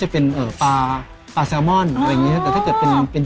จะเป็นเอ่อปลาปลาแซลมอนอะไรอย่างเงี้ฮะแต่ถ้าเกิดเป็นเป็น